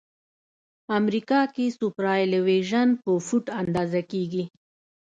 امریکا کې سوپرایلیویشن په فوټ اندازه کیږي